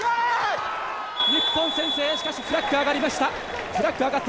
日本先制、しかし、フラッグが上がりました。